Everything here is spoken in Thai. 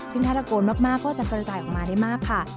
ซึ่งถ้าตะโกนมากก็จะกระจายออกมาได้มากค่ะ